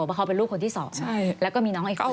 เพราะเขาเป็นลูกคนที่๒แล้วก็มีน้องอีกคน